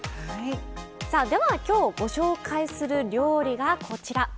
さあではきょうご紹介する料理がこちら。